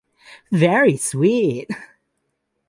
Very sweet!